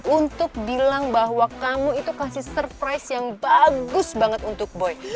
untuk bilang bahwa kamu itu kasih surprise yang bagus banget untuk boy